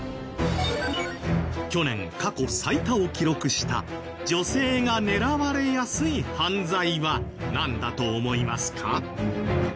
去年過去最多を記録した女性が狙われやすい犯罪はなんだと思いますか？